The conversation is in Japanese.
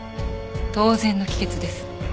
当然の帰結です。